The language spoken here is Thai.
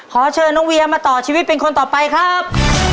ขอเชิญน้องเวียมาต่อชีวิตเป็นคนต่อไปครับ